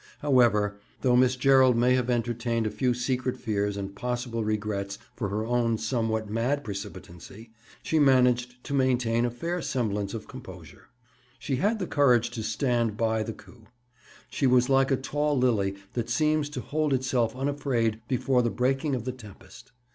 However, though Miss Gerald may have entertained a few secret fears and possible regrets for her own somewhat mad precipitancy, she managed to maintain a fair semblance of composure. She had the courage to "stand by" the coup. She was like a tall lily that seems to hold itself unafraid before the breaking of the tempest.